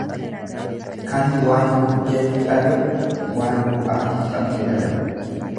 Kan waan hojjetu dhabe waan bu'aa hin qabne dalaga.